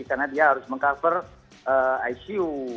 karena dia harus meng cover icu